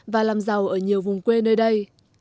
và làm giàu ở nhiều vùng quê nơi đây